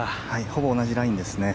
ほぼ同じラインですね。